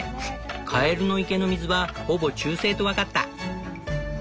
カエルの池の水はほぼ中性と分かった。